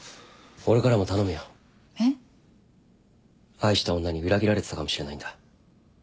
愛した女に裏切られてたかもしれないんだ。